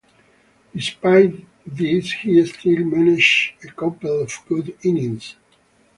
Despite this he still managed a couple of good innings.